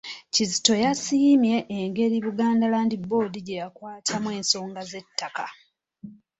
Kizito yasiimye engeri Buganda Land Board gy'ekwatamu ensonga z'ettaka.